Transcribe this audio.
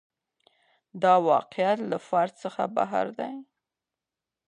دا واقعیت له فرد څخه بهر دی.